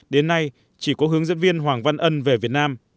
đến nay chỉ có hướng dẫn viên hoàng văn ân về việt nam